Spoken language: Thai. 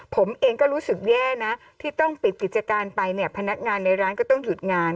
ผมเองก็รู้สึกแย่นะที่ต้องปิดกิจการไปเนี่ยพนักงานในร้านก็ต้องหยุดงาน